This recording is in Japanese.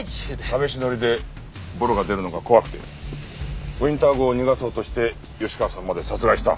試し乗りでボロが出るのが怖くてウィンター号を逃がそうとして吉川さんまで殺害した。